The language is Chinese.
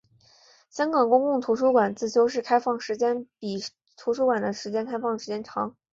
香港公共图书馆自修室开放时间比图书馆的开放时间长。